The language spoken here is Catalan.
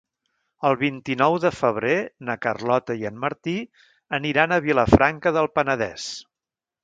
El vint-i-nou de febrer na Carlota i en Martí aniran a Vilafranca del Penedès.